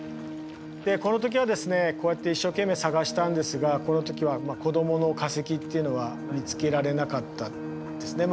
でこの時はですねこうやって一生懸命探したんですがこの時は子供の化石っていうのは見つけられなかったですね。